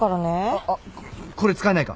あっあっこれ使えないか？